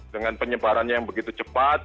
dengan penyebarannya yang begitu cepat